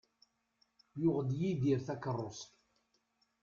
Yuɣ-d Yidir takerrust.